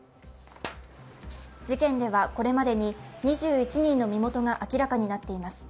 事件ではこれまでに２１人の身元が明らかになっています。